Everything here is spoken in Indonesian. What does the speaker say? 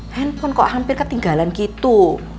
handphone kok hampir ketinggalan gitu